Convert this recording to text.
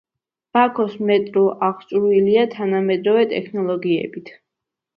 ბაქოს მეტრო აღჭურვილია თანამედროვე ტექნოლოგიებით.